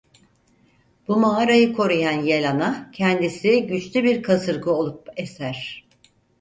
Bu mağarayı koruyan Yel Ana kendisi güçlü bir kasırga olup eser.